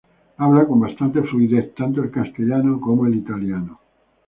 Habla con bastante fluidez tanto el castellano como el italiano.